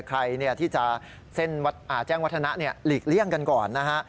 ใครที่จะเส้นแจ้งวัฒนะหลีกเลี่ยงกันก่อนนะฮะ